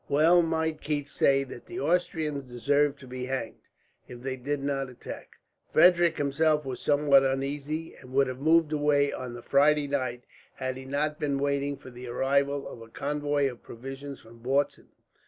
Well might Keith say that the Austrians deserved to be hanged, if they did not attack. Frederick himself was somewhat uneasy, and would have moved away on the Friday night, had he not been waiting for the arrival of a convoy of provisions from Bautzen.